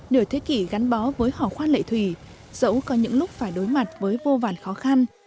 nửa thế kỷ gắn bó với hóa khoát lễ thùy dẫu có những lúc phải đối mặt với vô vàn khó khăn